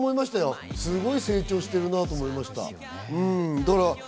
すごく成長してるなと思いました。